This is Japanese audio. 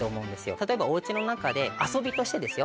例えばお家の中で遊びとしてですよ